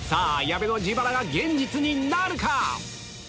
矢部の自腹が現実になるか？